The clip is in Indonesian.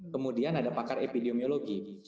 kemudian ada pakar epidemiologi